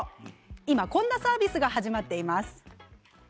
今、こんなサービスが始まっています。